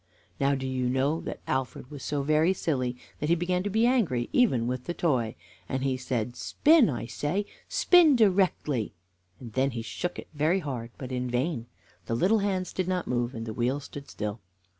Now, do you know that Alfred was so very silly that he began to be angry even with the toy, and he said, "Spin, I say! spin directly!" and then he shook it very hard, but in vain. The little hands did not move, and the wheel stood still.